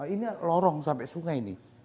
ini lorong sampai sungai ini